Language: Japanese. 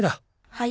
はい。